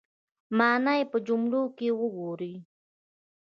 مانا یې په جملو کې وګورئ